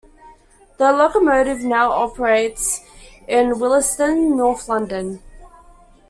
The locomotive now operates in Willesden, North London.